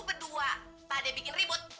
berdua tak ada bikin ribut